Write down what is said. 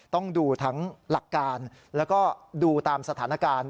ต้องดูทั้งหลักการแล้วก็ดูตามสถานการณ์